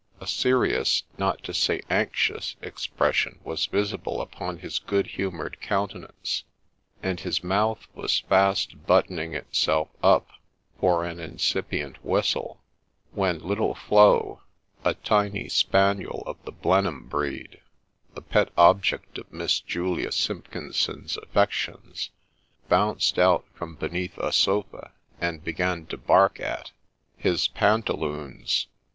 A serious, not to Bay anxious, expression was visible upon his good humoured countenance, and his mouth was fast buttoning itself up for an incipient whistle, when little Flo, a tiny spaniel of the Blenheim breed, — the pet object of Miss Julia Simpkinson's affections, — bounced out from beneath a sofa, and began to bark at — his pantaloons.